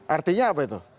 artinya apa itu